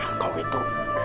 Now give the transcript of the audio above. nah kau itu